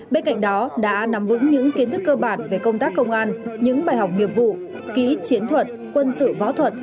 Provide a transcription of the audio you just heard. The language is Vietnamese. bên cạnh đó đã nắm vững những kiến thức cơ bản về công tác công an những bài học nghiệp vụ kỹ chiến thuật quân sự võ thuật